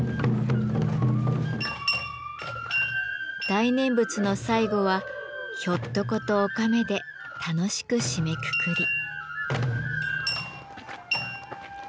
大念仏の最後はひょっとことおかめで楽しく締めくくり。